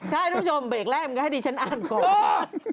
ใช่ทุกทุกชมเบรกแรกมึงให้ดีฉันอ่านก่อน